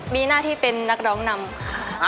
มีหน้าที่เป็นนักร้องนำค่ะ